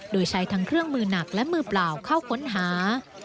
โดยใช้ทั้งเครื่องมือหนักและมือเปล่าเข้าค้นหา